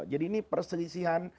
jadi ini perselisihan